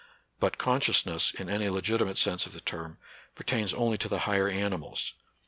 But consciousness, in any legitimate sense of the term, pertains only to the higher animals.